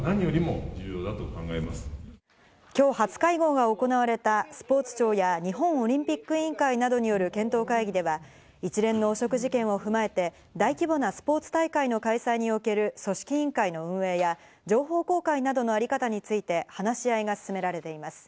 今日、初会合が行われたスポーツ庁や日本オリンピック委員会などによる検討会議では、一連の汚職事件を踏まえて、大規模なスポーツ大会の開催における組織委員会の運営や情報公開などのあり方について話し合いが進められています。